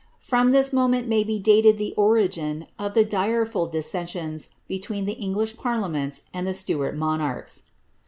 From this mo ment may be dated the origin of the direful dissensions between the English parliaments and the Stuart monarchs.